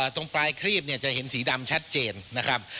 ตรงปลายครีบจะเห็นสีดำชัดเจน